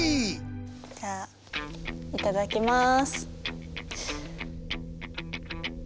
じゃいただきます！